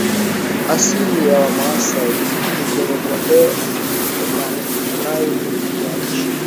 Asili ya Wamasai ni kwenye bondela Nile ya chini